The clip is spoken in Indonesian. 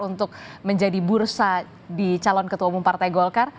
untuk menjadi bursa di calon ketua umum partai golkar